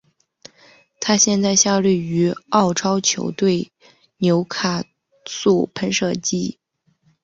他现在效力于澳超球队纽卡素喷射机。